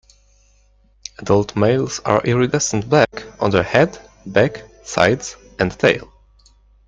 Adult males are iridescent black on their head, back, sides and tail.